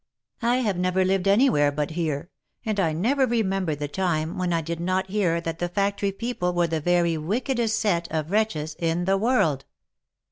I have never lived any where but here, and* I never remember the time when I did not hear that the factory people were the very wickedest set of wretches in the world."